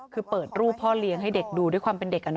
คือเปิดรูปพ่อเลี้ยงให้เด็กดูด้วยความเป็นเด็ก